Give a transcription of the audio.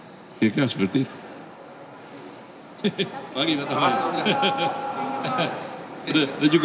jadi mereka harus seperti itu